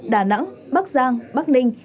đà nẵng bắc giang bắc ninh